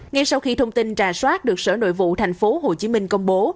ngay sau khi thông tin trà soát được sở nội vụ tp hcm công bố